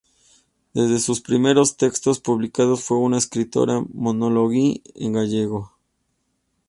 Desde sus primeros textos publicados, fue una escritora monolingüe en gallego.